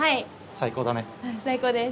最高です！